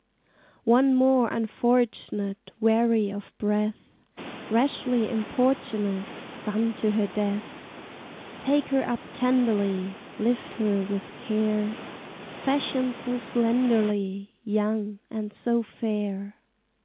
One more unfortunate, Weary of breath, Rashly importunate, Gone to her death! Take her up tenderly, Lift her with care! Fashioned so slenderly, Young, and so fair!